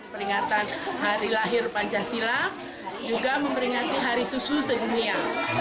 peringatan hari lahir pancasila juga memperingati hari susu sedunia